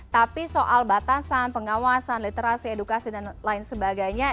tapi soal batasan pengawasan literasi edukasi dan lain sebagainya